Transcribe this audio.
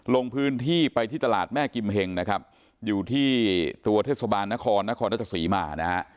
ลงพื้นที่ไปที่ตลาดแม่กิมเฮงนะครับอยู่ที่ตัวเทศบาลนครนครราชสีมานะฮะ